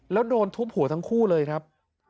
แล้วโดนทุบหัวทั้งคู่เลยครับ